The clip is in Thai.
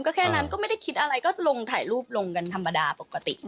ก็แค่นั้นก็ไม่ได้คิดอะไรก็ลงถ่ายรูปลงกันธรรมดาปกติ